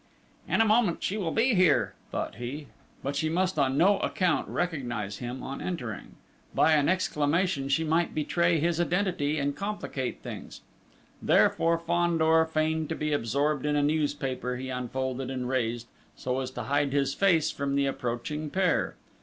"In a moment she will be here," thought he.... But she must on no account recognise him on entering! By an exclamation she might betray his identity and complicate things! Therefore, Fandor feigned to be absorbed in a newspaper he unfolded and raised, so as to hide his face from the approaching pair.